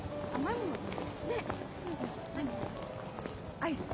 アイス。